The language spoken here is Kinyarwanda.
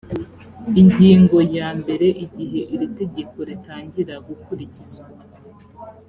ingingo ya mbere igihe iri tegeko ritangira gukurikizwa